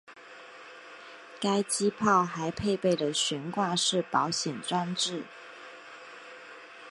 该机炮还配备了悬挂式保险装置。